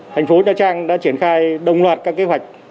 thành phố nha trang đã triển khai đồng loạt các kế hoạch